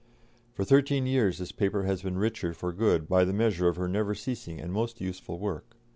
For thirteen years this paper has been richer for good by the measure of her never ceasing and most useful work.